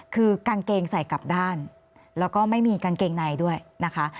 คือกางเกงใส่กลับด้านแล้วก็ไม่มีกางเกงในด้วยนะคะ